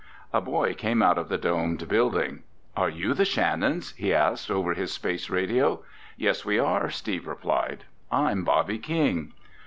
A boy came out of the domed building. "Are you the Shannons?" he asked over his space radio. "Yes, we are," Steve replied. "I'm Bobby King."